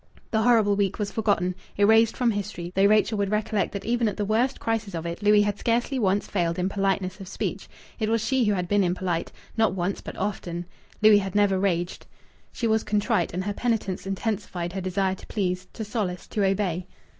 The horrible week was forgotten, erased from history, though Rachel would recollect that even at the worst crisis of it Louis had scarcely once failed in politeness of speech. It was she who had been impolite not once, but often. Louis had never raged. She was contrite, and her penitence intensified her desire to please, to solace, to obey.